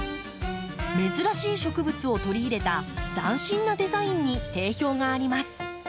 珍しい植物を取り入れた斬新なデザインに定評があります。